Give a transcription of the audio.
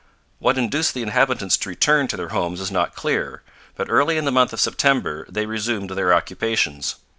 What induced the inhabitants to return to their homes is not clear, but early in the month of September they resumed their occupations.